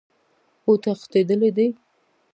اوتښتیدلی دي